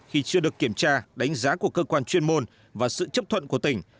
khi chưa được kiểm tra đánh giá của cơ quan chuyên môn và sự chấp thuận của tỉnh